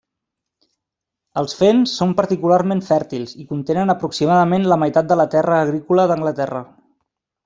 Els fens són particularment fèrtils i contenen aproximadament la meitat de la terra agrícola d'Anglaterra.